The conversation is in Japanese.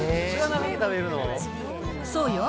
そうよ。